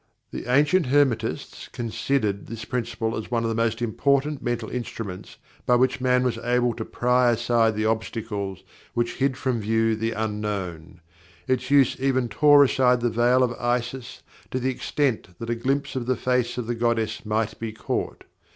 The ancient Hermetists considered this Principle as one of the most important mental instruments by which man was able to pry aside the obstacles which hid from view the Unknown. Its use even tore aside the Veil of Isis to the extent that a glimpse of the face of the goddess might be caught.